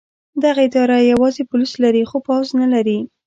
دغه اداره یوازې پولیس لري خو پوځ نه لري.